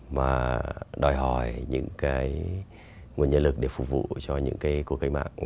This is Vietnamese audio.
mà đòi hỏi những nguồn nhân lực để phục vụ cho những cuộc cách mạng